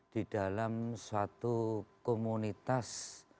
di dalam suatu komunitas